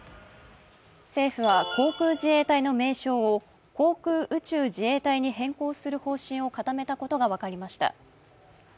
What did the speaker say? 政府は航空自衛隊の名称を航空宇宙自衛隊に変更する方針を固めたことが分かりました。